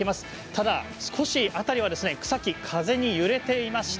ただ少し辺りは草木が風に揺れています。